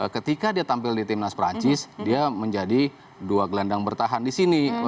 ketika dia tampil di timnas prancis dia menjadi dua gelendang bertahan disini